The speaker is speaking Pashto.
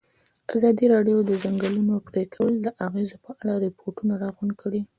ازادي راډیو د د ځنګلونو پرېکول د اغېزو په اړه ریپوټونه راغونډ کړي.